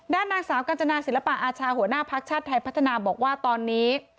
ด้านนางสาวกัญจนาศิลปะอาชาหัวหน้าภักดิ์ชาติไทยพัฒนาบอกว่าตอนนี้